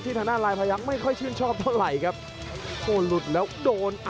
ทางด้าน